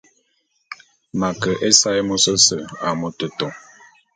M'a ke ésaé môs ôse a metôtô.